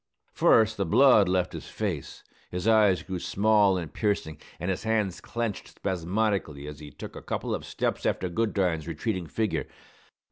First, the blood left his face, his eyes grew small and piercing, and his hands clenched spasmodically as he took a couple of steps after Goodine's retreating figure.